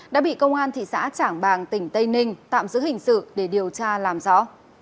đã bị công an thị xã trảng bàng tỉnh tây ninh tạm giữ hình sự để điều tra làm rõ